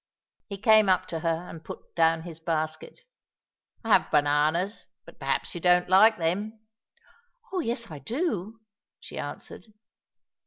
He came up to her and put down his basket. "I have bananas, but perhaps you don't like them?" "Oh, yes, I do!" she answered.